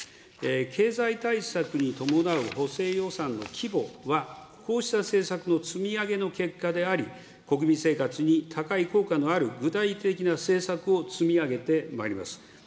経済対策に伴う補正予算の規模は、こうした政策の積み上げの結果であり、国民生活に高い効果のある、具体的な政策を積み上げてまいります。